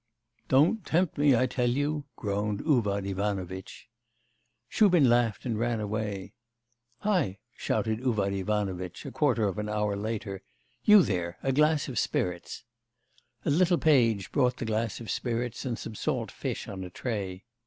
'Don't tempt me, I tell you,' groaned Uvar Ivanovitch. Shubin laughed and ran away. 'Hi,' shouted Uvar Ivanovitch a quarter of an hour later, 'you there... a glass of spirits.' A little page brought the glass of spirits and some salt fish on a tray.